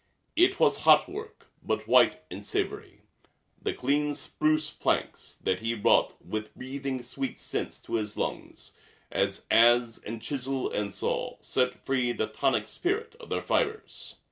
It was hot work, but white and savory, the clean spruce planks that he wrought with breathing sweet scents to his lungs as adze and chisel and saw set free the tonic spirit of their fibres.